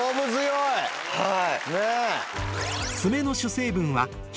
はい。